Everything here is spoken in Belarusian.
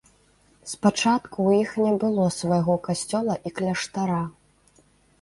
Спачатку ў іх не было свайго касцёла і кляштара.